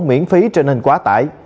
miễn phí trên hình quá tải